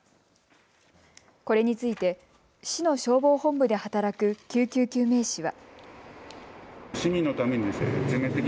これについて市の消防本部で働く救急救命士は。